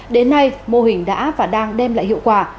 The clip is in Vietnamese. đến nay mô hình đã và đang đem lại hiệu quả